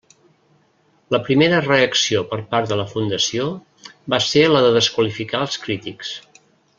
La primera reacció per part de la Fundació va ser la de desqualificar els crítics.